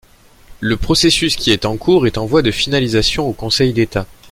Le processus, qui est en cours, est en voie de finalisation au Conseil d’État.